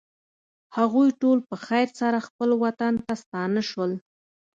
هغوی ټول په خیر سره خپل وطن ته ستانه شول.